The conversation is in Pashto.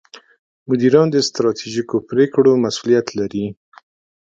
مدیران د ستراتیژیکو پرېکړو مسوولیت لري.